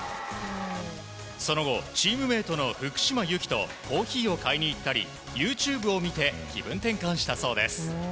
その後、チームメートの福島由紀とコーヒーを買いに行ったりＹｏｕＴｕｂｅを見て気分転換したそうです。